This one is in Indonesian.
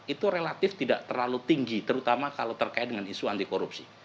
itu relatif tidak terlalu tinggi terutama kalau terkait dengan isu anti korupsi